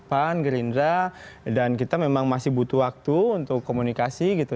pan gerindra dan kita memang masih butuh waktu untuk komunikasi gitu